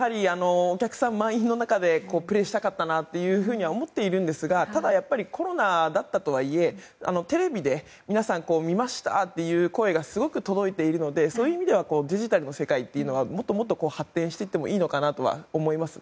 お客さん満員の中でプレーしたかったなとは思っているんですがただ、やっぱりコロナだったとはいえテレビで皆さん、見ましたという声がすごく届いているのでそういう意味ではデジタルの世界というのはもっと発展していってもいいのかなと思います。